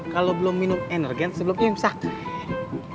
kalau belum minum energen sebelum ini ustadz